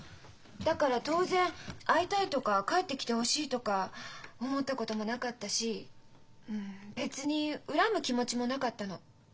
だから当然「会いたい」とか「帰ってきてほしい」とか思ったこともなかったし別に恨む気持ちもなかったの。